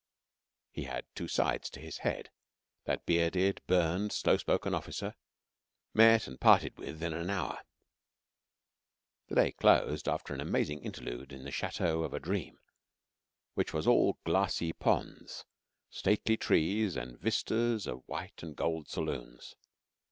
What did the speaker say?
He had two sides to his head, that bearded, burned, slow spoken officer, met and parted with in an hour. The day closed (after an amazing interlude in the chateau of a dream, which was all glassy ponds, stately trees, and vistas of white and gold saloons.